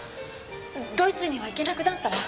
ドイツには行けなくなったわ。